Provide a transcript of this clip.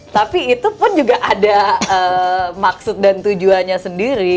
tapi itu pun juga ada maksud dan tujuannya sendiri